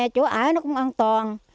chỗ ở cũng an toàn